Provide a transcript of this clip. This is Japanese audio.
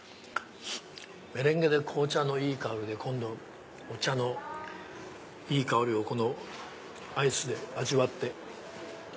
メレンゲで紅茶のいい香りで今度お茶のいい香りをこのアイスで味わって。